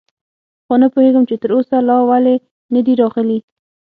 خو نه پوهېږم، چې تراوسه لا ولې نه دي راغلي.